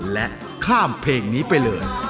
และข้ามเพลงนี้ไปเลย